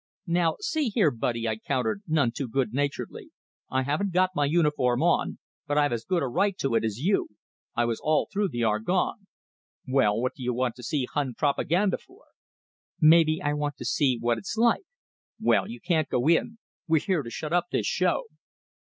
"Now see here, buddy," I countered, none too good naturedly, "I haven't got my uniform on, but I've as good a right to it as you; I was all through the Argonne." "Well, what do you want to see Hun propaganda for?" "Maybe I want to see what it's like." "Well, you can't go in; we're here to shut up this show!"